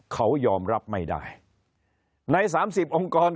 คนในวงการสื่อ๓๐องค์กร